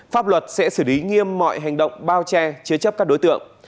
pháp luật sẽ xử lý nghiêm mọi hành động bao che chứa chấp các đối tượng